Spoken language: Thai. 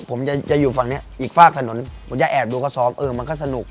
ผมจะอยู่ฝั่งนี้อีกฝากถนนผมจะแอบดูก็ซ้อมเออมันก็สนุก